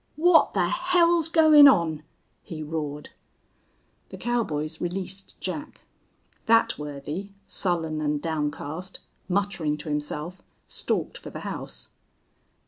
"What the hell's goin' on?" he roared. The cowboys released Jack. That worthy, sullen and downcast, muttering to himself, stalked for the house.